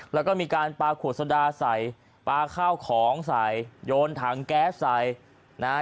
แล้วก็มีการปลาขวดสดาใส่ปลาข้าวของใส่โยนถังแก๊สใส่นะฮะ